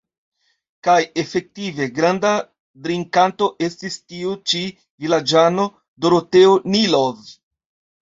Kaj efektive, granda drinkanto estis tiu ĉi vilaĝano, Doroteo Nilov.